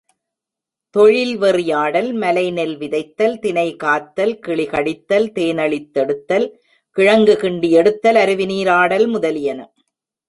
தொழில் வெறியாடல், மலைநெல் விதைத்தல், தினைகாத்தல், கிளிகடிதல், தேனழித் தெடுத்தல், கிழங்கு கிண்டியெடுத்தல், அருவி நீராடல் முதலியன.